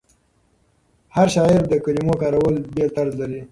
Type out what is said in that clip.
هر شاعر د کلمو کارولو بېل طرز لري.